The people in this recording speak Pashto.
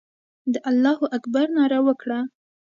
د الله اکبر ناره وکړه.